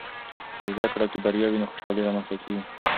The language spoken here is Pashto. که زده کړه کې بریا وي، نو خوشحالۍ رامنځته کېږي.